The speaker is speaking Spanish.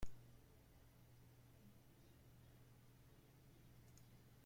Groenlandia posee una embajada propia en Madrid y un consulado en Barcelona.